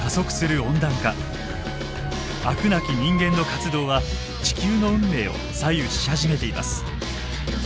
飽くなき人間の活動は地球の運命を左右し始めています。